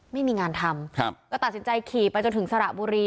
ไม่มีงานทำก็ตัดสินใจขี่ไปจนถึงสระบุรี